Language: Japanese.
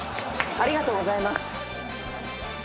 ありがとうございます。